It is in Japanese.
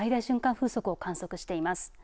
風速を観測しています。